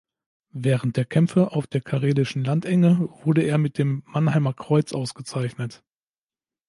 Während der Kämpfe auf der karelischen Landenge wurde er mit dem Mannerheim-Kreuz ausgezeichnet.